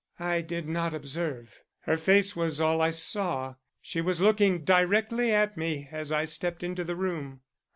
"I did not observe. Her face was all I saw. She was looking directly at me as I stepped into the room."